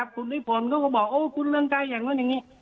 คุณนิพนธ์ก็บอกคุณเรื่องใจอย่างนู้นอย่างนี้